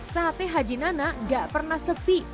sate haji nana gak pernah sepi